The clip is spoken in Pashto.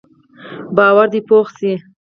باور دې پوخ شي.